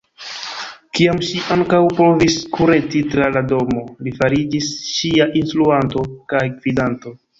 Kiam ŝi ankaŭ povis kureti tra la domo, li fariĝis ŝia instruanto kaj gvidanto.